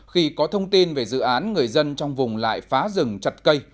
khi có thông tin về dự án người dân trong vùng lại phá rừng chặt cây